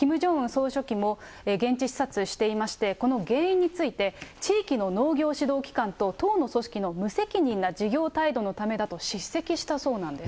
総書記も現地視察していまして、この原因について、地域の農業指導機関と、党の組織の無責任な事業態度のためだと叱責したそうなんです。